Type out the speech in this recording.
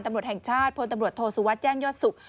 ตำรวจแห่งชาติพลตำรวจโทษวัชย์แจ้งยอดศุกร์